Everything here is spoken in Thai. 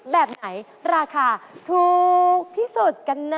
แบบไหนราคาถูกที่สุดกันนะ